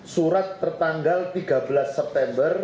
surat tertanggal tiga belas september